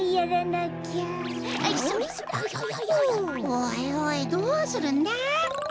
おいおいどうするんだ？